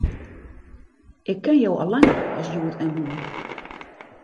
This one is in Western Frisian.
Ik ken jo al langer as hjoed en moarn.